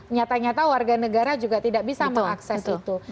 nyata nyata warga negara juga tidak bisa mengakses itu